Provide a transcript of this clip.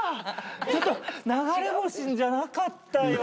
ちょっと流れ星じゃなかったよ。